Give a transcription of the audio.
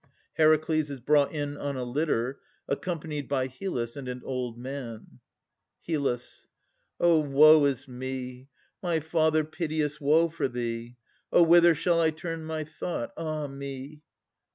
[HERACLES is brought in on a litter, accompanied by HYLLUS and an Old Man HYL. Oh, woe is me! My father, piteous woe for thee! Oh, whither shall I turn my thought! Ah me!